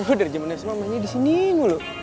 gue dari zaman awal sama meka disiniin dulu